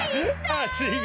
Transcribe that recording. あしが。